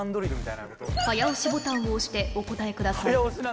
早押しボタンを押してお答えください